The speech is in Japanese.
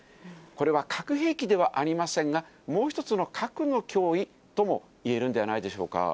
これは核兵器ではありませんが、もう一つの核の脅威ともいえるんではないでしょうか。